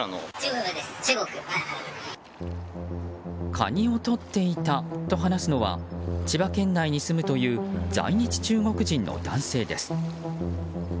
カニをとっていたと話すのは千葉県内に住むという在日中国人の男性です。